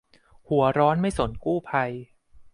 หัวร้อนไม่สนกู้ภัย